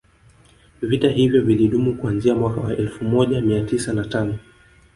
Vita hivyo vilidumu kuanzia mwaka wa elfu moja mia tisa na tano